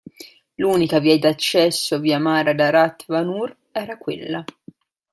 L'unica via d'accesso via mare ad Arat Vanur era quella.